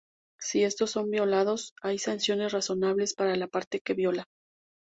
Si estos son violados, hay sanciones razonables para la parte que viola.